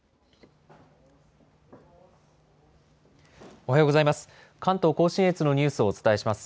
おはようございます。